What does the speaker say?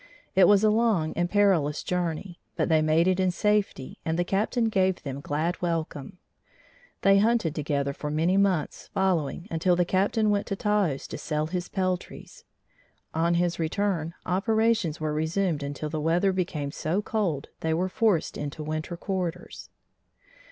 It was a long and perilous journey, but they made it in safety and the Captain gave them glad welcome. They hunted together for many months following until the Captain went to Taos to sell his peltries. On his return, operations were resumed until the weather became so cold they were forced into winter quarters.